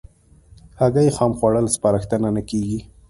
هګۍ خام خوړل سپارښتنه نه کېږي.